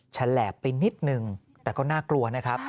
ฉลาบไปนิดนึงแต่ก็น่ากลัวนะครับ